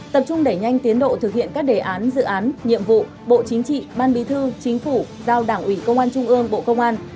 tập trung đẩy nhanh tiến độ thực hiện các đề án dự án nhiệm vụ bộ chính trị ban bí thư chính phủ giao đảng ủy công an trung ương bộ công an